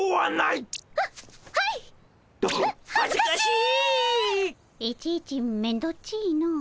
いちいちめんどっちの。